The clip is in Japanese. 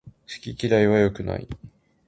好き嫌いは良くない